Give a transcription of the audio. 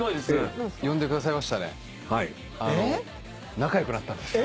仲良くなったんですよ。